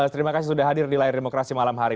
terima kasih sudah hadir di layar demokrasi malam hari